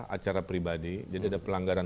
acara pribadi jadi ada pelanggaran